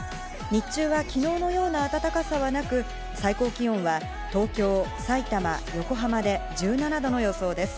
日中は昨日のような暖かさはなく、最高気温は東京、埼玉、横浜で１７度の予想です。